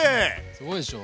すごいでしょ。